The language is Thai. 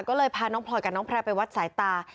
ก็เลยพาน้องพลอยกับน้องแพร่ไปวัดสายตา